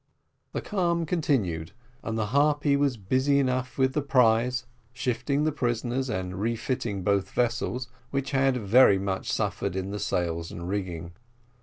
The calm continued, and the Harpy was busy enough with the prize, shifting the prisoners and refitting both vessels, which had very much suffered in the sails and rigging.